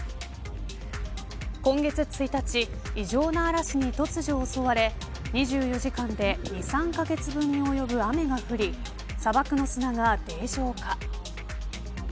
今月１日、異常な嵐に突如襲われ２４時間で２、３カ月分に及ぶ雨が降り砂漠の砂が泥状化。